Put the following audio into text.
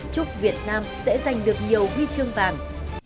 chúc việt nam sẽ giành được nhiều huy chương vàng